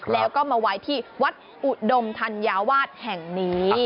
แล้วก็มาไว้ที่วัดอุดมธัญวาสแห่งนี้